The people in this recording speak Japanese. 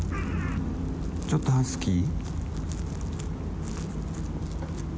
ちょっとハスキー？